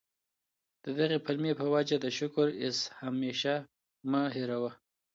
د دغي پلمې په وجه د شکر ایسهمېشه مه هېروه.